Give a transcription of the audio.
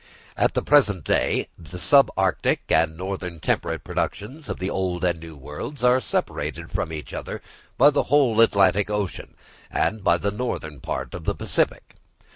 At the present day, the sub arctic and northern temperate productions of the Old and New Worlds are separated from each other by the whole Atlantic Ocean and by the northern part of the Pacific.